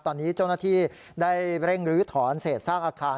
ตอนนี้เจ้าหน้าที่ได้เร่งรื้อถอนเศษสร้างอาคาร